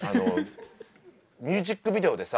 ミュージックビデオでさ